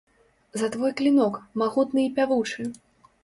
За твой клінок, магутны і пявучы!